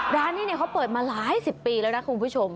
ร้านนี้เขาเปิดมาหลายสิบปีแล้วนะคุณผู้ชม